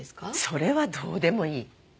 それはどうでもいい。